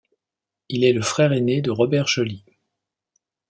Il est le frère aîné de Robert Joly.